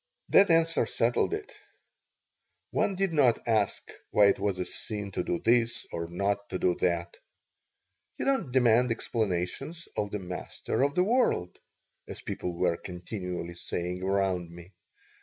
This answer settled it. One did not ask why it was a sin to do this or not to do that. "You don't demand explanations of the Master of the World," as people were continually saying around me.